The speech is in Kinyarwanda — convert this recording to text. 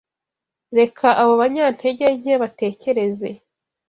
Reka abo banyantege nke batekereze